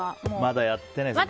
まだやってないです。